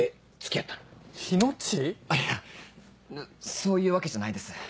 あっいやそういうわけじゃないです。